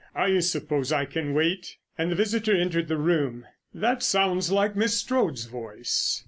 I suppose I can wait." And the visitor entered the room. "That sounds like Miss Strode's voice."